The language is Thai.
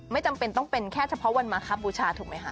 จำเป็นต้องเป็นแค่เฉพาะวันมาครับบูชาถูกไหมคะ